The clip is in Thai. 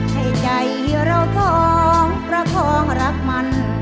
ให้ใจเราท้องประคองรักมัน